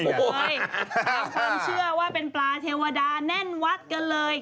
ตามความเชื่อว่าเป็นปลาเทวดาแน่นวัดกันเลย